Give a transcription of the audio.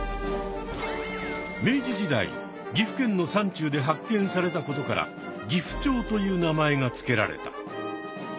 明治時代岐阜県の山中で発見されたことからギフチョウという名前が付けられた。